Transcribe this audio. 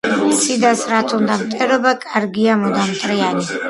ციდას რად უნდა მტერობა, მარგია მუდამ მტრიანი